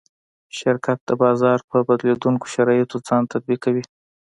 شرکت د بازار په بدلېدونکو شرایطو ځان تطبیقوي.